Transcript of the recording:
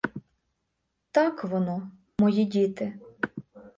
Так воно, мої діти!